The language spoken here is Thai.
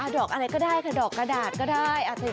ดอกอะไรก็ได้ค่ะดอกกระดาษก็ได้